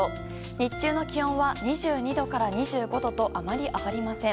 日中の気温は２２度から２５度とあまり上がりません。